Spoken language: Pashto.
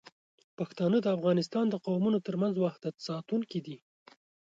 پښتانه د افغانستان د قومونو ترمنځ وحدت ساتونکي دي.